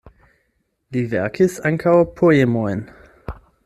Li verkis ankaŭ poemojn.